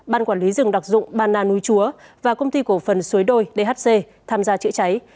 ban quản lý rừng đặc dụng ban na núi chúa và công ty cổ phần suối đôi dhc tham gia chữa cháy